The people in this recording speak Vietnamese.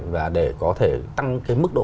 và để có thể tăng cái mức độ